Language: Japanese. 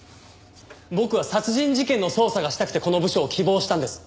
僕は殺人事件の捜査がしたくてこの部署を希望したんです。